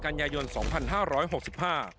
กันยายนสองพันห้าร้อยหกสิบห้า